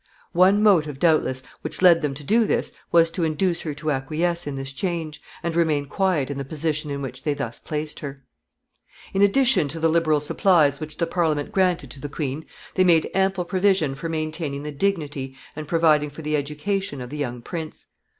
One motive, doubtless, which led them to do this was to induce her to acquiesce in this change, and remain quiet in the position in which they thus placed her. In addition to the liberal supplies which the Parliament granted to the queen, they made ample provision for maintaining the dignity and providing for the education of the young prince.